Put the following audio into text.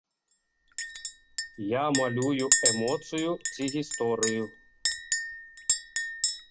Я малюю эмоцыю ці гісторыю.